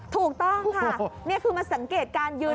ถูกต้องค่ะนี่คือมาสังเกตการยืน